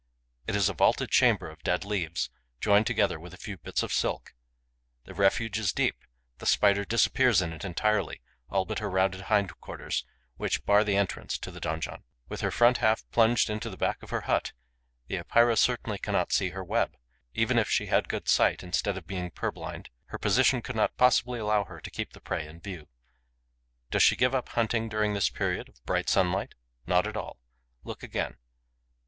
It is a vaulted chamber of dead leaves, joined together with a few bits of silk. The refuge is deep: the Spider disappears in it entirely, all but her rounded hind quarters, which bar the entrance to the donjon. With her front half plunged into the back of her hut, the Epeira certainly cannot see her web. Even if she had good sight, instead of being purblind, her position could not possibly allow her to keep the prey in view. Does she give up hunting during this period, of bright sunlight? Not at all. Look again.